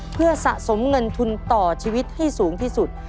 เพื่อสะสมเงินทุนต่อชีวิตให้สูงที่สุด